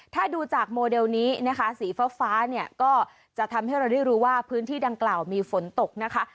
ถ้าดูจากโมเดลนี้นะคะสีฟ้าเนี่ยก็จะทำให้เราได้รู้ว่าพื้นที่ดังกล่าวมีฝนตกนะคะ